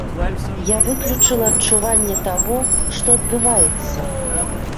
Я выключыла адчуванне таго, што адбываецца.